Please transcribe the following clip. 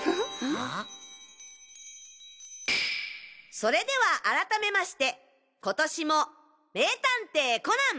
それではあらためまして今年も『名探偵コナン』。